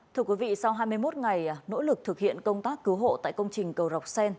thưa quý vị sau hai mươi một ngày nỗ lực thực hiện công tác cứu hộ tại công trình cầu dọc xen